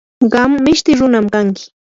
qam mishti runam kanki.